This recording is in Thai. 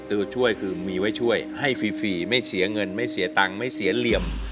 ตัวช่วยคือมีไว้ช่วยให้ฟรีไม่เสียเงินไม่เสียตังค์ไม่เสียเหลี่ยม